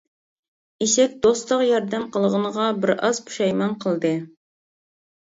ئېشەك دوستىغا ياردەم قىلغىنىغا بىر ئاز پۇشايمان قىلدى.